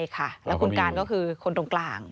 คุณการก็คือคนตรงกลาง